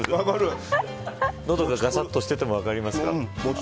喉が、がさっとしてても分かりますか。